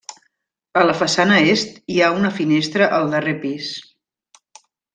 A la façana est hi ha una finestra al darrer pis.